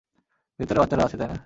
ভিতরে বাচ্চারা আছে, তাই না?